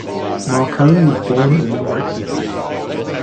Markoe was born in New York City.